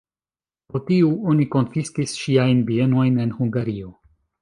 Pro tiu oni konfiskis ŝiajn bienojn en Hungario.